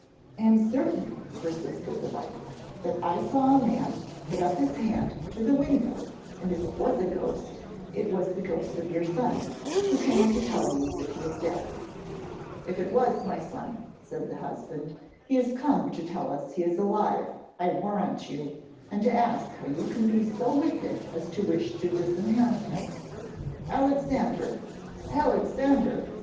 'I am certain,' persisted the wife, 'that I saw a man put up his hand to the window, and if it was a ghost, it was the ghost of your son, who came to tell you that he is dead.' 'If it was my son,' said the husband, 'he is come to tell us he is alive, I warrant you, and to ask how you can be so wicked as to wish to disinherit him. Alexander! Alexander!'